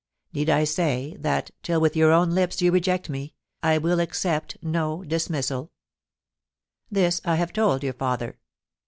* Need I say that, till with your own lips you reject me, I will accept no dismissal ? This I have told your father.